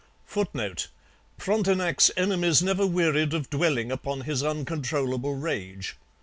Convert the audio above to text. [Footnote: Frontenac's enemies never wearied of dwelling upon his uncontrollable rage.